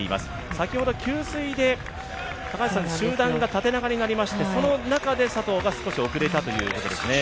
先ほど給水で集団が縦長になりまして、その中で佐藤が少し遅れたということですね。